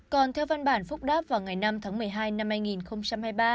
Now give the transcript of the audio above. còn theo văn bản phúc đáp vào ngày năm tháng một mươi hai năm hai nghìn hai mươi ba